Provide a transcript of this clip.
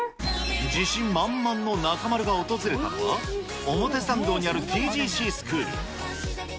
自信満々の中丸が訪れたのは、表参道にあるＴＧＣスクール。